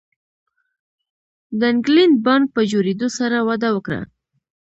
د انګلینډ بانک په جوړېدو سره وده وکړه.